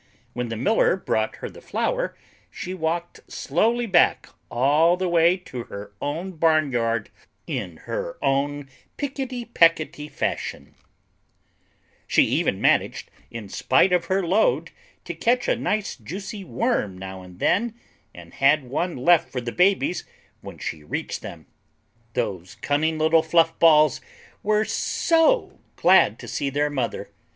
When the miller brought her the flour she walked slowly back all the way to her own barnyard in her own picketty pecketty fashion. She even managed, in spite of her load, to catch a nice juicy worm now and then and had one left for the babies when she reached them. Those cunning little fluff balls were so glad to see their mother.